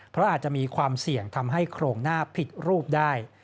เพราะอาจจะมีความเสี่ยงทำให้โครงหน้าผิดรูปได้